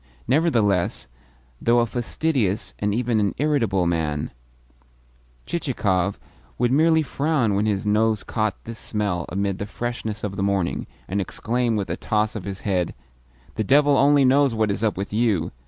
Nevertheless, though a fastidious, and even an irritable, man, Chichikov would merely frown when his nose caught this smell amid the freshness of the morning, and exclaim with a toss of his head: "The devil only knows what is up with you!